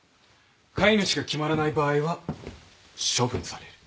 飼い主が決まらない場合は処分される。